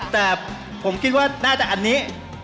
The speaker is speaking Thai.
แต่ผมคิดว่าน่าจะอันนี้